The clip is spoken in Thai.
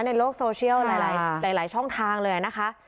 ในโลกโซเชียลหลายหลายหลายหลายช่องทางเลยนะคะ